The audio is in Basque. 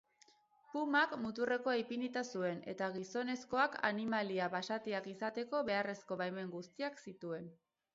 Pumak muturrekoa ipinita zuen, eta gizonezkoak animalia basatiakizateko beharrezko baimen guztiak zituen.